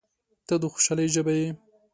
• ته د خوشحالۍ ژبه یې.